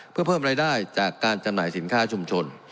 เพื่อเพิ่มรายได้จากการจำหน่ายสินค้าชุมชน